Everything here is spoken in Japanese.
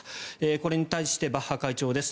これに対してバッハ会長です。